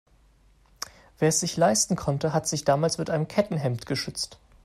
Wer es sich leisten konnte, hat sich damals mit einem Kettenhemd geschützt.